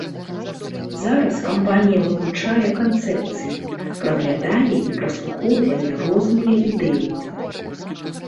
Зараз кампанія вывучае канцэпцыі, праглядае і праслухоўвае розныя ідэі.